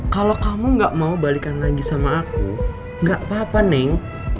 kalau kamu gak mau balikan lagi sama aku gak apa apa neng